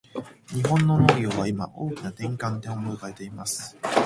日本の農業は今、大きな転換点を迎えています。